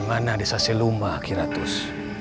mana desa seluma kiratus